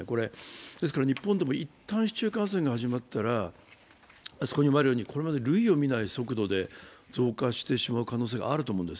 ですから日本でもいったん市中感染が始まったら、これまで類を見ない速度で増加してしまう可能性があると思います。